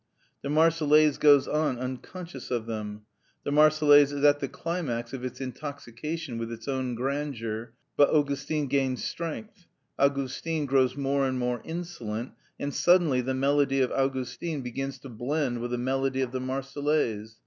The "Marseillaise" goes on unconscious of them. The "Marseillaise" is at the climax of its intoxication with its own grandeur; but Augustin gains strength; Augustin grows more and more insolent, and suddenly the melody of Augustin begins to blend with the melody of the "Marseillaise."